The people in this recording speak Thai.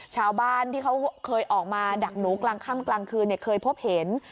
ชาวบ้านที่เขาเคยออกมาดักหนูกลางค่ำกลางคืนเคยพบเห็น